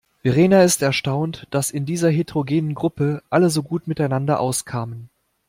Verena ist erstaunt, dass in dieser heterogenen Gruppe alle so gut miteinander auskamen.